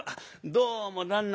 「どうも旦那。